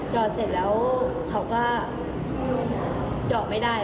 เจาะเสร็จแล้วเขาก็เจาะไม่ได้